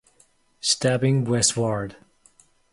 Stabbing Westward